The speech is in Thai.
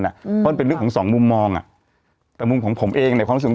เพราะมันเป็นเรื่องของสองมุมมองอ่ะแต่มุมของผมเองในความรู้สึก